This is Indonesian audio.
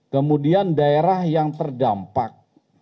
kemudian daerah yang terdampak